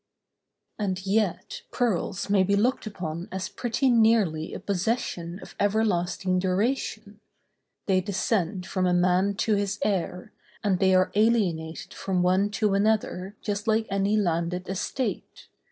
And yet pearls may be looked upon as pretty nearly a possession of everlasting duration—they descend from a man to his heir, and they are alienated from one to another just like any landed estate.